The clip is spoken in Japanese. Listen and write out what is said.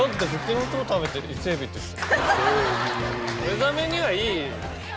目覚めにはいい。